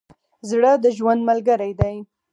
زړه د ژوند ملګری دی.